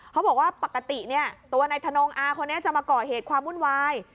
พวกว่าปกติแต่อย่างที่นี่ในถนนอาจะเก่าเหตุความวุ่นวาย